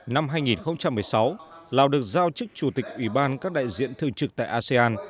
năm hai nghìn một mươi sáu lào được giao chức chủ tịch ủy ban các đại diện thường trực tại asean